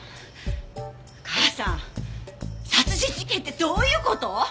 母さん殺人事件ってどういう事？